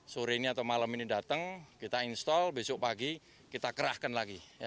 sore ini atau malam ini datang kita install besok pagi kita kerahkan lagi